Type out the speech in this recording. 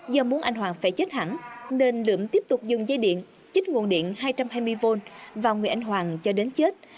do muốn anh hoàng phải chết hẳn nên lượm tiếp tục dùng dây điện trích nguồn điện hai trăm hai mươi v vào người anh hoàng cho đến chết